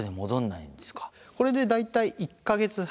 これで大体１か月半。